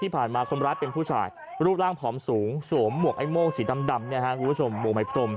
ที่ผ่านมาคนร้ายเป็นผู้ชายรูปร่างผอมสูงสวมหมวกไอ้โมงสีดำดำ